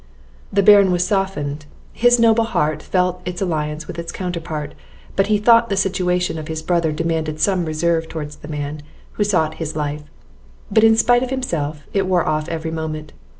The Baron was softened, his noble heart felt its alliance with its counterpart, but he thought the situation of his brother demanded some reserve towards the man who sought his life; but, in spite of himself, it wore off every moment.